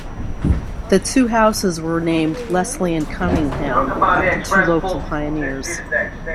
The two houses were named Leslie and Cunningham, after two local pioneers.